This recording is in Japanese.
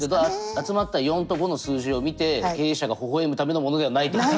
集まった４と５の数字をみて経営者が微笑むためのものではないってこと。